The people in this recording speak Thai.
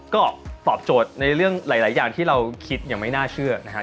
ก็ตอบโจทย์ในเรื่องหลายอย่างที่เราคิดอย่างไม่น่าเชื่อนะครับ